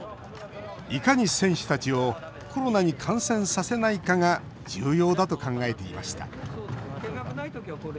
いかに選手たちをコロナに感染させないかが重要だと考えていました。